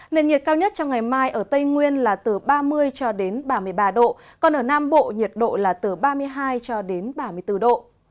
nền nhiệt cao nhất trong ngày mai ở tây nguyên là từ ba mươi ba mươi ba độ còn ở nam bộ nhiệt độ là từ ba mươi hai ba mươi bốn độ